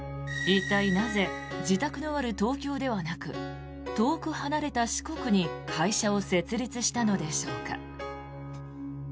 一体、なぜ自宅のある東京ではなく遠く離れた四国に会社を設立したのでしょうか。